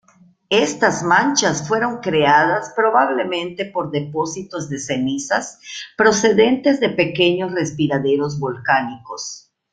Estas manchas fueron creadas probablemente por depósitos de cenizas procedentes de pequeños respiraderos volcánicos.